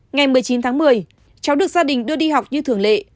ngày một mươi chín tháng một mươi cháu được gia đình đưa đi học như thường lệ